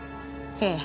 ええ。